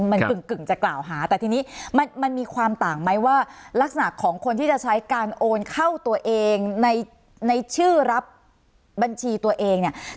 มันกึ่งจะกล่าวหาแต่ทีนี้มันมีความต่างไหมว่าลักษณะของคนที่จะใช้การโอนเข้าตัวเองในชื่อรับบัญชีตัวเองเนี่ย